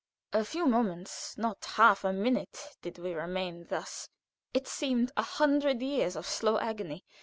A few moments not half a minute did we remain thus. It seemed a hundred years of slow agony.